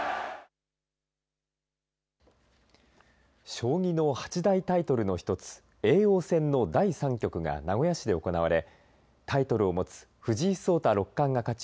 将棋の八大タイトルの１つ叡王戦の第３局が名古屋市で行われタイトルを持つ藤井聡太六冠が勝ち